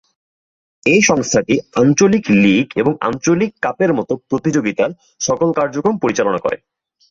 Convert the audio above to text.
এই সংস্থাটি আঞ্চলিক লীগ এবং আঞ্চলিক কাপের মতো প্রতিযোগিতার সকল কার্যক্রম পরিচালনা করে।